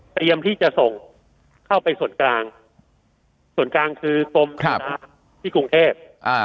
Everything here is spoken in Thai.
ที่จะส่งเข้าไปส่วนกลางส่วนกลางคือกรมธนาที่กรุงเทพ